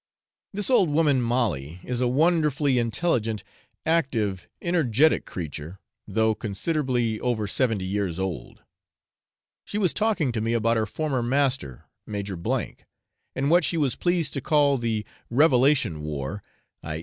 This old woman Molly is a wonderfully intelligent, active, energetic creature, though considerably over seventy years old; she was talking to me about her former master, Major , and what she was pleased to call the revelation war (i.